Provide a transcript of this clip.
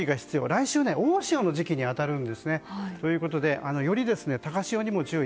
来週、大潮の時期に当たるんですね。ということで、より高潮にも注意。